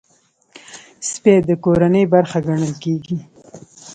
سپي د کورنۍ برخه ګڼل کېږي.